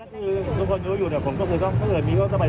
อ๋อนั่นคือทุกคนรู้อยู่เนี่ยผมก็คือถ้าเกิดมีก็ปฏิเสธอะ